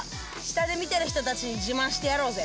下で見てる人たちに自慢してやろうぜ。